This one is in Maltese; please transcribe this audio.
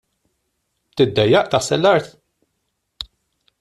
Tiddejjaq taħsel l-art?